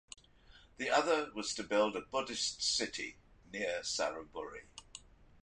The other was to build a "Buddhist city" near Saraburi.